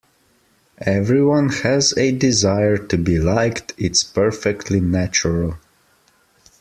Everyone has a desire to be liked, it's perfectly natural.